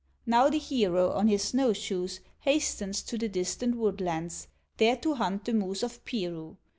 Now the hero, on his snow shoes, Hastens to the distant woodlands, There to hunt the moose of Piru.